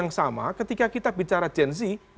yang sama ketika kita bicara gen z